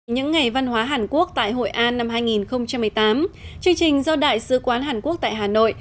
những ngày văn hóa hàn quốc tại hội an năm hai nghìn một mươi tám chương trình do đại sứ quán hàn quốc tại hà nội